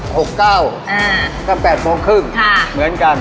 ก็๘โมงครึ่งเหมือนกัน